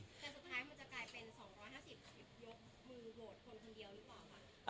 แต่สุดท้ายมันจะกลายเป็น๒๕๐ยกมือโหวตคนคนเดียวหรือเปล่าคะ